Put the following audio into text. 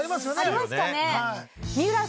ありますかね。